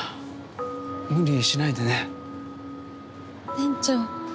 店長。